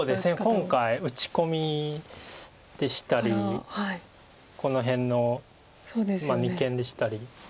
今回打ち込みでしたりこの辺の二間でしたり。